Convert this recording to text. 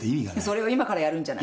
それを今からやるんじゃない。